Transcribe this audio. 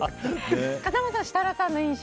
風間さん、設楽さんの印象